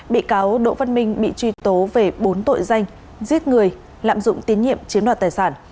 bị cáo đỗ văn minh bị truy tố về bốn tội danh giết người lạm dụng tín nhiệm chiếm đoạt tài sản